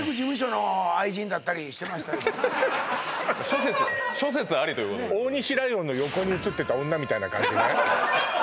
諸説諸説ありということで大西ライオンの横に写ってた女みたいな感じね